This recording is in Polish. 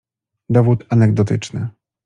Dowód anegdotyczny